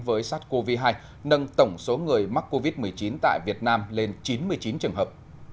với sars cov hai nâng tổng số người mắc covid một mươi chín tại việt nam lên chín mươi chín trường hợp